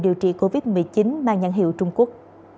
điều trị covid một mươi chín mang nhãn hiệu trung quốc